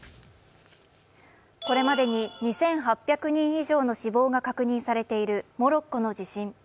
これまでに２８００人以上の死亡が確認されているモロッコの地震。